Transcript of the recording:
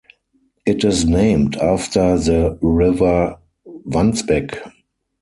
It is named after the River Wansbeck.